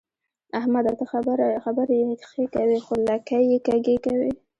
احمده! ته خبرې ښې کوې خو لکۍ يې کږې کوي.